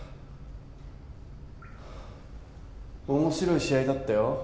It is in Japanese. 面白い試合だったよ。